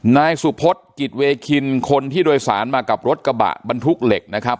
นายสุพศกิจเวคินคนที่โดยสารมากับรถกระบะบรรทุกเหล็กนะครับ